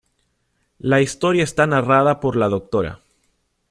La historia está narrada por la Dra.